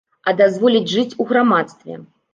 А дазволіць жыць у грамадстве.